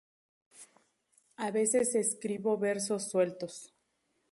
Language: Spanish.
A veces escribo versos sueltos.